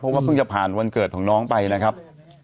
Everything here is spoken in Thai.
เพราะว่าเพิ่งจะผ่านวันเกิดของน้องไปนะครับ